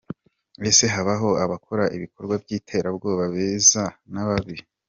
Ese habaho abakora ibikorwa by’iterabwoba beza n’ababi?